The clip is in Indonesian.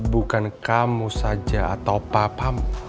bukan kamu saja atau papamu